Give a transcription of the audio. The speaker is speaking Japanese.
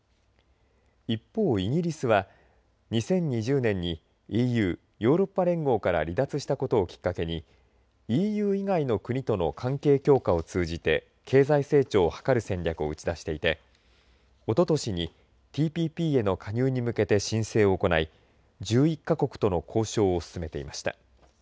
一方イギリスは２０２０年にＥＵヨーロッパ連合から離脱したことをきっかけにＥＵ以外の国との関係強化を通じて経済成長を図る戦略を打ち出していておととしにＴＰＰへの加入に向けて申請を行い１１か国との交渉を進めていました。